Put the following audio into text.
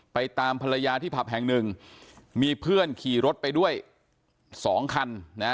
ตามภรรยาที่ผับแห่งหนึ่งมีเพื่อนขี่รถไปด้วยสองคันนะ